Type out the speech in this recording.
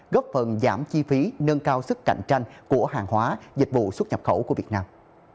góp phần giảm chi phí nâng cao sức cạnh tranh của hàng hóa dịch vụ xuất nhập khẩu của việt nam